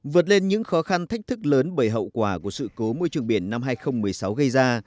vượt lên những khó khăn thách thức lớn bởi hậu quả của sự cố môi trường biển năm hai nghìn một mươi sáu gây ra